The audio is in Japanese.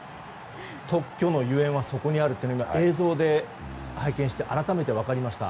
特許のゆえんはそこにあるって映像で拝見して改めて分かりました。